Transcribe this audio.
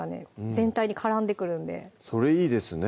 全体に絡んでくるんでそれいいですね